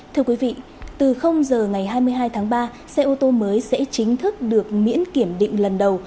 thưa quý vị từ giờ ngày hai mươi hai tháng ba xe ô tô mới sẽ chính thức được miễn kiểm định lần đầu